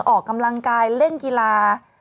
ออกกำลังกายเล่นกีฬา